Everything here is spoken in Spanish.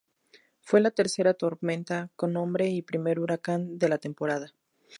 Fue la tercera tormenta con nombre y primer huracán de la temporada.